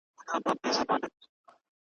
چي سړی یې په هیڅ توګه په تعبیر نه پوهیږي ,